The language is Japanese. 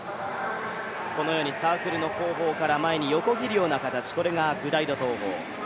このようにサークルの後方から前に横切るような形、これがグライド投法。